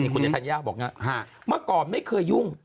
คุณยัทยาบอกอย่างนี้เมื่อก่อนไม่เคยยุ่ง